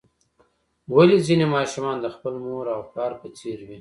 ولې ځینې ماشومان د خپل مور او پلار په څیر وي